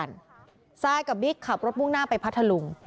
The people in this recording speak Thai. ย้ายกันทรายกับบิ๊กขับรถมุ่งหน้าไปพัทธลุง